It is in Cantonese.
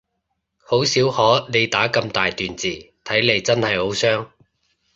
好少可你打咁大段字，睇嚟真係好傷